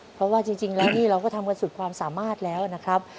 เพราะว่าจริงแล้วนี่เราก็ทำกันสุดความสามารถแล้วนะครับ